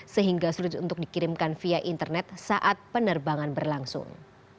sehingga sulit untuk dikirimkan via internet saat penerbangan berlangsung